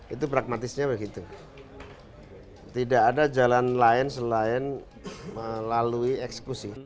itu pragmatisnya begitu tidak ada jalan lain selain melalui eksekusi